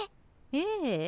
ええ。